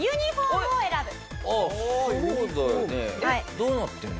どうなってるの？